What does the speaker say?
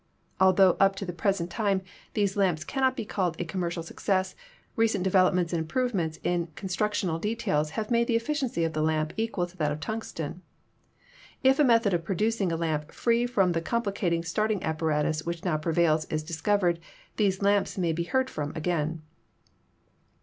Altho up to the present time these lamps cannot be called a commercial success, recent developments and improvements in con structional details have made the efficiency of the lamp equal to that of the tungsten. If a method of producing a lamp free from the complicated starting apparatus which now prevails is discovered, these lamps may be heard from again.